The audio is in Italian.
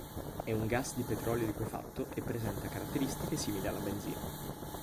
È un gas di petrolio liquefatto e presenta caratteristiche simili alla benzina.